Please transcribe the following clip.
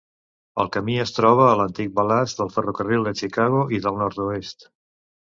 El camí es troba a l'antic balast del ferrocarril de Chicago i del Nord-Oest.